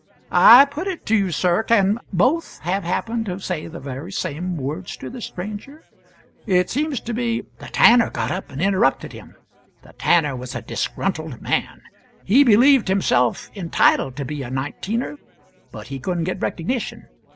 I put it to you, sir, can both have happened to say the very same words to the stranger? It seems to me " The tanner got up and interrupted him. The tanner was a disgruntled man; he believed himself entitled to be a Nineteener, but he couldn't get recognition.